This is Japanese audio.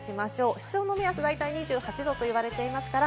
室温の目安は大体２８度と言われていますから。